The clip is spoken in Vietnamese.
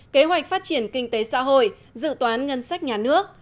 kế hoạch phát triển kinh tế xã hội dự toán ngân sách nhà nước